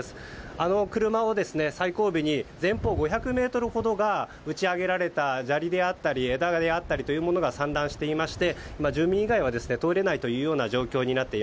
あの車を最後尾に前方５００ｍほどが打ち上げられた砂利であったり枝であったりというものが散乱していまして住民以外は通れない状況です。